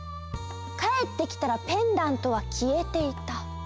かえってきたらペンダントはきえていた。